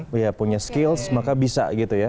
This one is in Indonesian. selama kamu punya skills maka bisa gitu ya